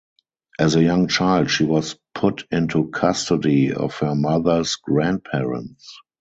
As a young child she was put into custody of her mother's grandparents.